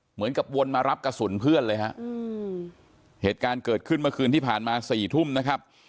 วนมารับกระสุนเพื่อนเลยฮะเหตุการณ์เกิดขึ้นเมื่อคืนที่ผ่านมาสี่ทุ่มนะครับ